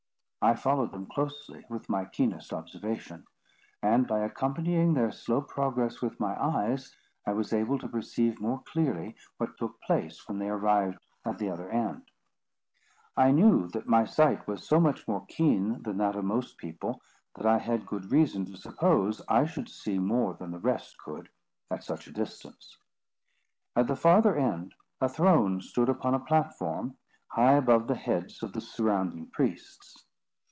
I followed them closely, with my keenest observation; and, by accompanying their slow progress with my eyes, I was able to perceive more clearly what took place when they arrived at the other end. I knew that my sight was so much more keen than that of most people, that I had good reason to suppose I should see more than the rest could, at such a distance. At the farther end a throne stood upon a platform, high above the heads of the surrounding priests.